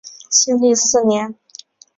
庆历四年。